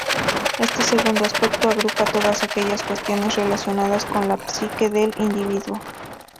Este segundo aspecto agrupa todas aquellas cuestiones relacionadas con la psique del individuo.